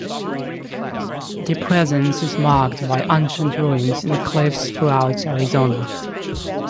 Their presence is marked by ancient ruins in the cliffs throughout Arizona.